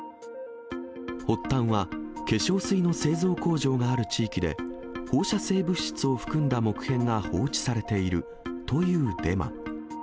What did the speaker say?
発端は、化粧水の製造工場がある地域で、放射性物質を含んだ木片が放置されているというデマ。